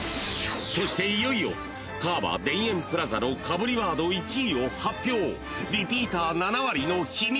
［そしていよいよ川場田園プラザのかぶりワード１位を発表］